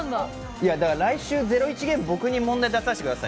来週のゼロイチゲームは、僕に問題を出題させてください。